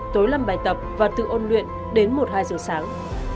tối làm bài tập và tự ôn luyện đến một hai giờ sáng